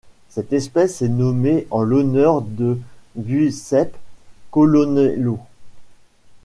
Cette espèce est nommée en l'honneur de Giuseppe Colonnello.